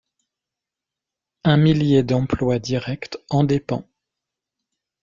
Un millier d'emplois directs en dépend.